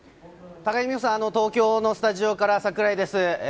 高木美帆さん、東京のスタジオから櫻井です。